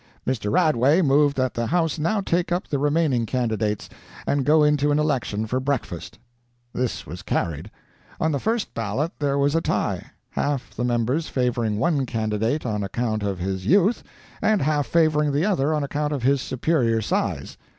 "MR. RADWAY moved that the House now take up the remaining candidates, and go into an election for breakfast. This was carried. "On the first ballot there was a tie, half the members favoring one candidate on account of his youth, and half favoring the other on account of his superior size.